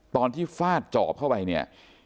ตอนที่ฟาดจอบเข้าไปเนี่ย